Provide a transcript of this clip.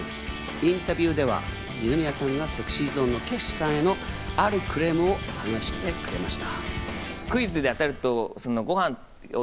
インタビューでは二宮さんがＳｅｘｙＺｏｎｅの菊池さんへの、あるクレームを話してくれました。